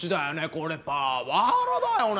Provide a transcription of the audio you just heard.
これパワハラだよね。